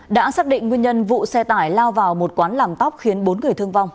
đã xác định nguyên nhân vụ xe tải lao vào một quán làm tóc khiến bốn người thương vong